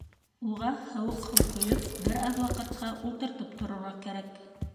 Уға һыуыҡ һыу ҡойоп, бер аҙ ваҡытҡа ултыртып торорға кәрәк.